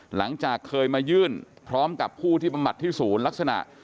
หลังจากเคยมายื่นพร้อมกับผู้ที่บำบัดที่ศูนย์ลักษณะ